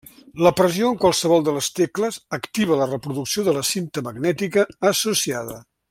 La pressió en qualsevol de les tecles activa la reproducció de la cinta magnètica associada.